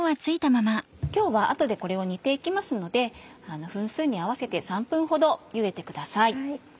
今日は後でこれを煮て行きますので分数に合わせて３分ほどゆでてください。